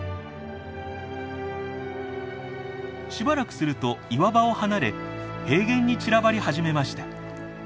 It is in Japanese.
しばらくすると岩場を離れ平原に散らばり始めました。